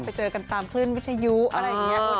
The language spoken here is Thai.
ไปเจอกันตามขึ้นวิทยายุอะไรอย่างเงี้ย